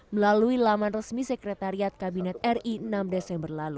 melalui laman resmi sekretariat kabinet ri enam desember lalu